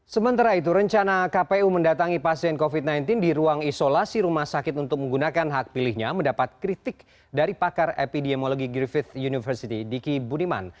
sementara itu rencana kpu mendatangi pasien covid sembilan belas di ruang isolasi rumah sakit untuk menggunakan hak pilihnya mendapat kritik dari pakar epidemiologi griffith university diki budiman